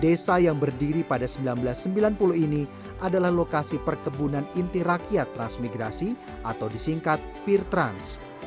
desa yang berdiri pada seribu sembilan ratus sembilan puluh ini adalah lokasi perkebunan inti rakyat transmigrasi atau disingkat peer trans